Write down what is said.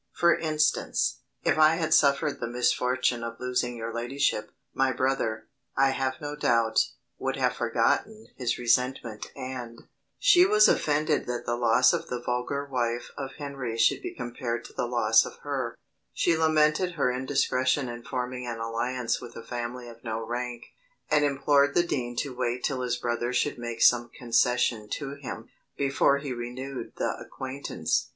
For instance, if I had suffered the misfortune of losing your ladyship, my brother, I have no doubt, would have forgotten his resentment, and " She was offended that the loss of the vulgar wife of Henry should be compared to the loss of her she lamented her indiscretion in forming an alliance with a family of no rank, and implored the dean to wait till his brother should make some concession to him, before he renewed the acquaintance.